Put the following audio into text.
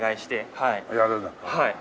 はい。